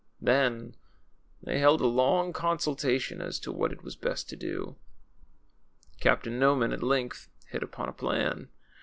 Then they held a long consultation as to what it was best to do. Captain Noman at length hit upon a plan.